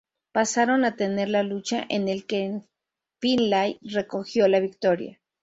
Pasaron a tener la lucha, en el que Finlay recogió la victoria.